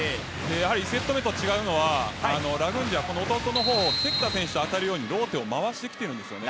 １セット目と違うのはラグンジヤ弟の方関田選手に当たるようにローテを回してきているんです。